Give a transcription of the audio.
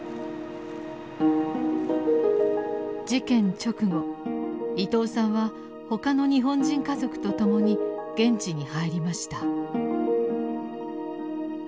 事件直後伊東さんは他の日本人家族と共に現地に入りました。